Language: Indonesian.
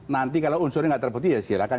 nanti kalau unsurnya nggak terbukti ya silakan